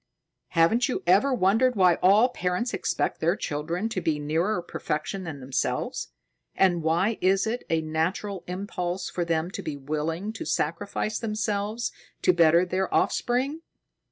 Haven't you ever wondered why all parents expect their children to be nearer perfection than themselves, and why is it a natural impulse for them to be willing to sacrifice themselves to better their offspring?"